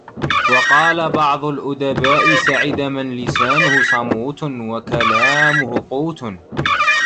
وَقَالَ بَعْضُ الْأُدَبَاءِ سَعِدَ مَنْ لِسَانُهُ صَمُوتٌ ، وَكَلَامُهُ قُوتٌ